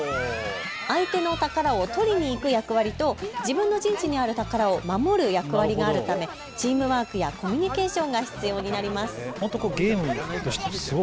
相手の宝を取りに行く役割と自分の陣地にある宝を守る役割があるためチームワークやコミュニケーションが必要になります。